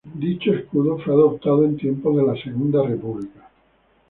Dicho escudo, fue adoptado en tiempos de la Segunda República.